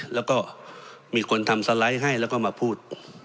แล้วก็มีคนทำสไลด์ให้แล้วก็มาพูด